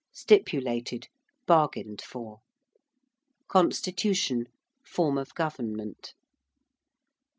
~stipulated~: bargained for. ~constitution~: form of government.